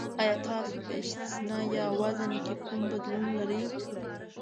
ایا تاسو په اشتها یا وزن کې کوم بدلون لرئ؟